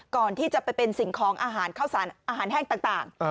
ก่อนที่จะไปเป็นสิ่งของอาหารข้าวสารอาหารแห้งต่าง